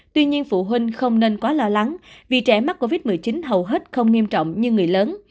tuy nhiên phụ huynh không nên quá lo lắng vì trẻ mắc covid một mươi chín hầu hết không nghiêm trọng như người lớn